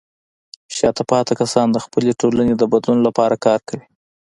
شاته پاتې کسان د خپلې ټولنې د بدلون لپاره کار کوي.